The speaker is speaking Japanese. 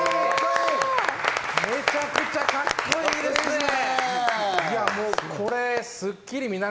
めちゃくちゃカッコいいですね。